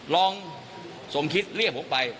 ลองสมคิดเรียกผมไปด้วย